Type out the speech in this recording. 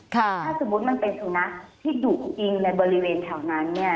ถ้าสมมุติมันเป็นสุนัขที่ดุจริงในบริเวณแถวนั้นเนี่ย